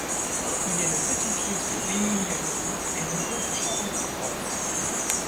Il est le petit-fils de Bénigne Le Gouz et neveu de Charles de Brosses.